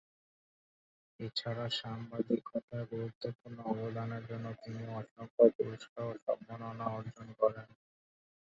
এছাড়া সাংবাদিকতায় গুরুত্বপূর্ণ অবদানের জন্য তিনি অসংখ্য পুরস্কার ও সম্মাননা অর্জন করেন।